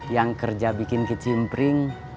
yang kerja bikin kecimpring